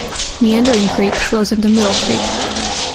Meandering Creek flows into Middle Creek.